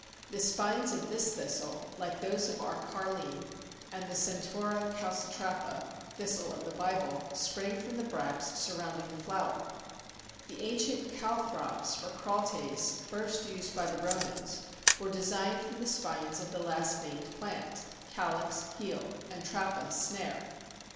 The spines of this thistle, like those of our Carline and the Centaurea calcitrapa (thistle of the Bible), spring from the bracts surrounding the flower. The ancient "calthrops" or "crawtaes" (first used by the Romans) were designed from the spines of the last named plant (calx, heel, and trappa, snare.)